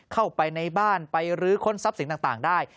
เข้าไปในบ้านไปรื้อค้นทรัพย์สินต่างได้